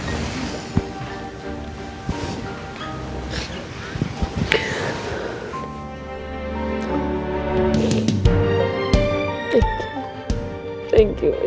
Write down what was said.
aku akan bereskan semuanya